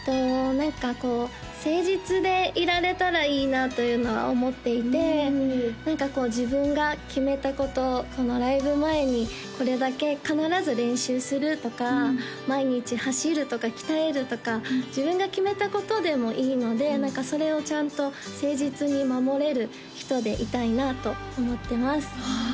何かこう誠実でいられたらいいなというのは思っていて何かこう自分が決めたことライブ前にこれだけ必ず練習するとか毎日走るとか鍛えるとか自分が決めたことでもいいのでそれをちゃんと誠実に守れる人でいたいなと思ってますはあ